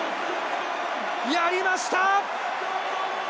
やりました！